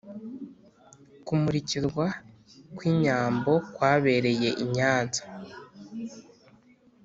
kumurikirwa kwi inyambo kwabereye I nyanza